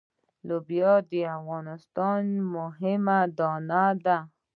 لوبیا د افغانستان بله مهمه دانه ده.